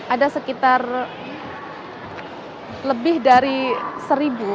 ada sekitar lebih dari seribu